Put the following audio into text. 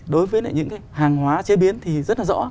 đối với những cái hàng hóa chế biến thì rất là rõ